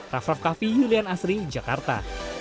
rafraf kaffi julian asri jakarta